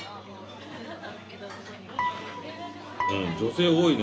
女性多いね